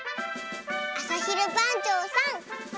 あさひるばんちょうさん。